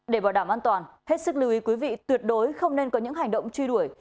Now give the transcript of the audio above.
để bảo đảm an toàn hết sức lưu ý quý vị tuyệt đối không nên có những hành động truy đuổi